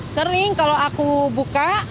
sering kalau aku buka